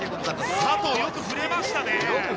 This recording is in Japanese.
佐藤、よく触れましたね。